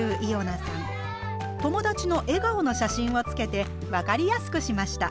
友達の笑顔の写真をつけて分かりやすくしました。